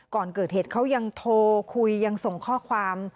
ก่อนเกิดเหตุเขายังโทรคุยยังส่งข้อความ